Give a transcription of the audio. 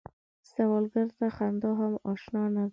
سوالګر ته خندا هم اشنا نه ده